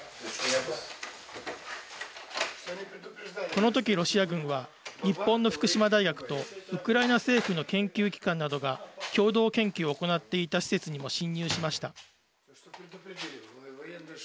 このときロシア軍は日本の福島大学とウクライナ政府の研究機関などが共同研究を行っていた施設にも侵入しました。